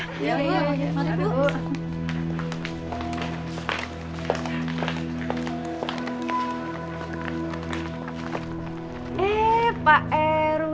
sampai jumpa bu